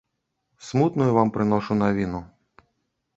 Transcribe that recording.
Смутную вам прыношу навіну.